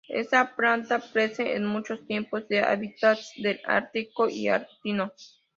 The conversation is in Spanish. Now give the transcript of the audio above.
Esta planta crece en muchos tipos de hábitats del Ártico y alpino.